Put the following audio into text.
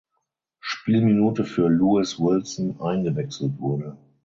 Spielminute für Lewis Wilson eingewechselt wurde.